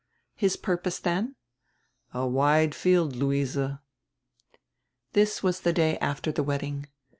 "His purpose, then?" "A wide field, Luise." This was the day after die w r edding.